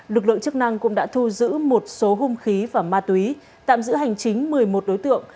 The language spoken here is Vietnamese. lực lượng chức năng cũng đã thu giữ một số hung khí và ma túy tạm giữ hành chính một mươi một đối tượng